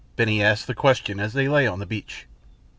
Benny asked the question as they lay on the beach.